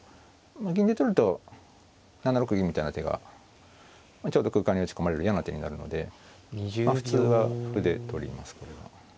銀で取ると７六銀みたいな手がちょうど空間に打ち込まれる嫌な手になるので普通は歩で取りますこれは。